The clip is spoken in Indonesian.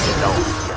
kau tahu tidak